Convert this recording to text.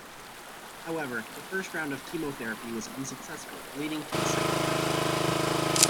However, the first round of chemotherapy was unsuccessful, leading to a second round.